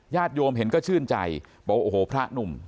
ญาติโยมเห็นก็ชื่นใจบอกว่าโอ้โหพระนุ่ม